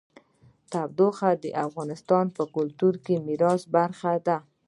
تودوخه د افغانستان د کلتوري میراث برخه ده.